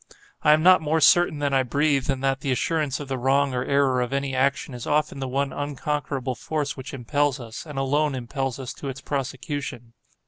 I am not more certain that I breathe, than that the assurance of the wrong or error of any action is often the one unconquerable force which impels us, and alone impels us to its prosecution.